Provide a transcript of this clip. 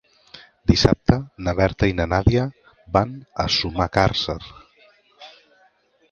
Dissabte na Berta i na Nàdia van a Sumacàrcer.